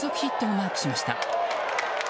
マークしました。